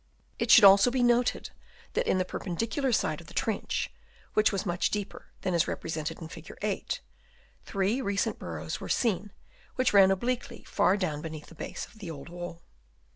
It should also be noted that in the perpendicular side of the trench (which was much deeper than is represented in Fig. 8) three recent burrows were seen, which ran obliquely far down beneath the base of the old wall.